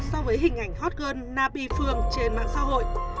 so với hình ảnh hot girl nabi phương trên mạng xã hội